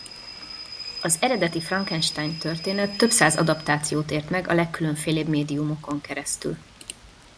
Az eredeti Frankenstein-történet több száz adaptációt ért meg a legkülönfélébb médiumokon keresztül.